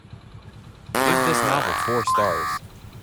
Give this novel four stars